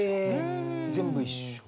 全部一緒。